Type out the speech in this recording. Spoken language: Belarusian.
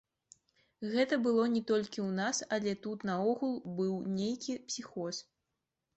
Гэта было не толькі ў нас, але тут наогул быў нейкі псіхоз.